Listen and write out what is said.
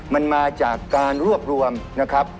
มันมาจากการรวบรวมนะครับ